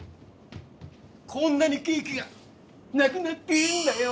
こんなにケーキがなくなっているんだよ。